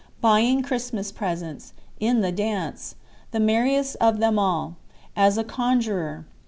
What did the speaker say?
Buying Christmas presents.—In the dance.—The merriest of them all.—As a conjurer.